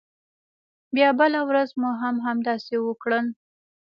بیا بله ورځ مو هم همداسې وکړل.